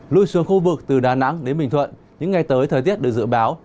lui xuống khu vực từ đà nẵng đến bình thuận những ngày tới thời tiết được dự báo